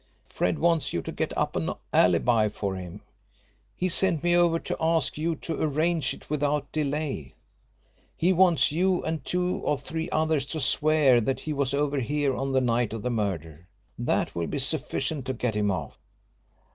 "Fred wants you to get up an alibi for him. He sent me over to ask you to arrange it without delay. He wants you and two or three others to swear that he was over here on the night of the murder. That will be sufficient to get him off."